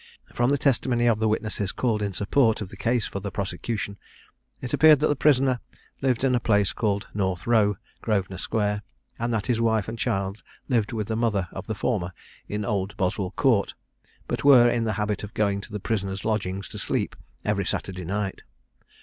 From the testimony of the witnesses called in support of the case for the prosecution, it appeared, that the prisoner lived in a place called North row, Grosvenor square, and that his wife and child lived with the mother of the former in Old Boswell court, but were in the habit of going to the prisoner's lodgings to sleep, every Saturday night.